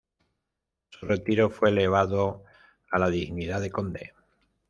A su retiro fue elevado a la dignidad de conde.